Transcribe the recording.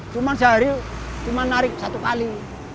cuma sehari cuma narik satu kali